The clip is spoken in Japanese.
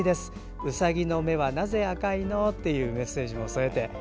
ウサギの目はなぜ赤いの？っていうメッセージも添えて。